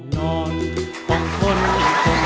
ก็เลยให้ล้านพบกับเขา